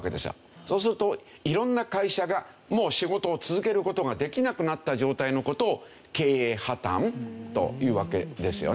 そうすると色んな会社がもう仕事を続ける事ができなくなった状態の事を経営破たんというわけですよね。